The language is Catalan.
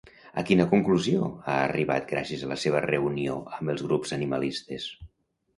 A quina conclusió ha arribat gràcies a la seva reunió amb els grups animalistes?